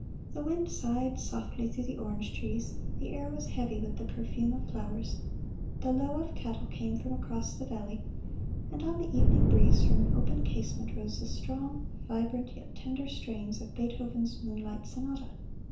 The wind sighed softly through the orange trees; the air was heavy with the perfume of flowers; the low of cattle came from across the valley, and on the evening breeze from an open casement rose the strong, vibrant, yet tender, strains of Beethoven's "Moonlight Sonata."